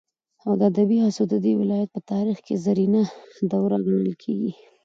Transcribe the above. او د ادبي هڅو ددې ولايت په تاريخ كې زرينه دوره گڼل كېږي.